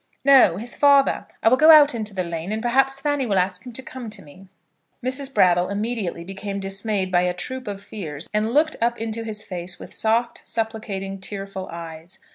"No; his father. I will go out into the lane, and perhaps Fanny will ask him to come to me." Mrs. Brattle immediately became dismayed by a troop of fears, and looked up into his face with soft, supplicating, tearful eyes.